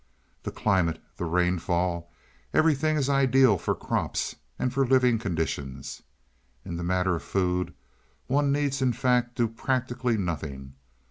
"The climate, the rainfall, everything is ideal for crops and for living conditions. In the matter of food, one needs in fact do practically nothing.